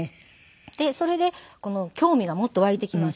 それで興味がもっと湧いてきまして。